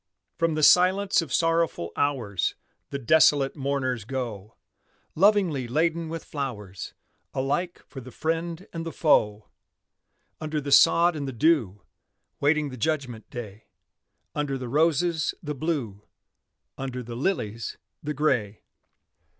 From the silence of sorrowful hours The desolate mourners go, Lovingly laden with flowers Alike for the friend and the foe: Under the sod and the dew Waiting the judgment day; Under the roses, the Blue, Under the lilies, the Gray.